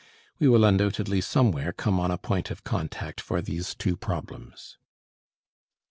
We will undoubtedly somewhere come on a point of contact for these two problems.